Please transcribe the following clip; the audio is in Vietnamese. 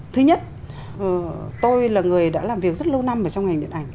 thứ nhất tôi là người đã làm việc rất lâu năm trong ngành điện ảnh